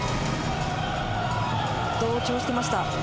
同調してました。